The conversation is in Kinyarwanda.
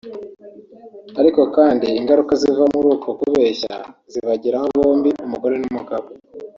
ariko kandi ingaruka ziva muri uko kubeshya zibageraho bombi umugore n’umugabo